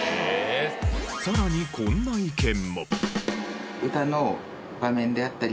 さらにこんな意見も。